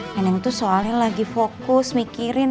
neneng tuh soalnya lagi fokus mikirin